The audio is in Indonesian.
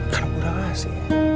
kan aku udah kasih